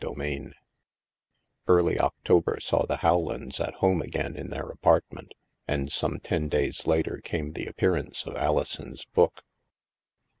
CHAPTER III Early October saw the Howlands at home again in their apartment, and some ten days later came the appearance of Alison's book.